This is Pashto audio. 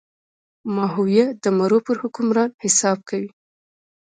ماهویه د مرو پر حکمران حساب کوي.